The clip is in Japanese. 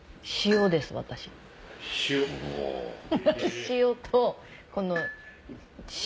塩とこの汁。